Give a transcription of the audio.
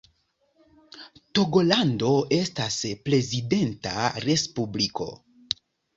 Togolando estas prezidenta respubliko.